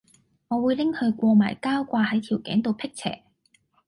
我會拎去過埋膠掛係條頸度闢邪